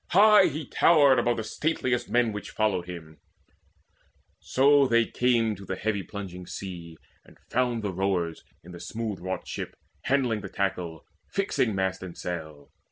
High he towered Above all stateliest men which followed him. So came they to the heavy plunging sea, And found the rowers in the smooth wrought ship Handling the tackle, fixing mast and sail.